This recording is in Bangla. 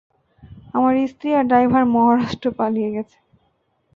তার স্ত্রী আর ড্রাইভার মহারাষ্ট্র পালিয়ে গেছে।